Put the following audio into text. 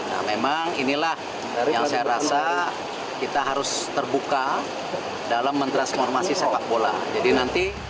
nah memang inilah yang saya rasa kita harus terbuka dalam mentransformasi sepak bola